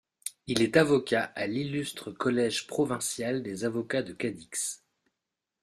Il est avocat à l'Illustre collège provincial des avocats de Cadix.